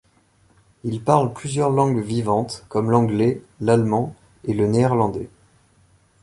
Il parle plusieurs langues vivantes, comme l'anglais, l'allemand et le néerlandais.